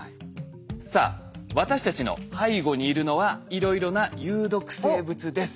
さあ私たちの背後にいるのはいろいろな有毒生物です。